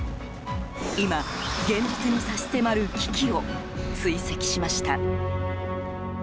今、現実に差し迫る危機を追跡しました。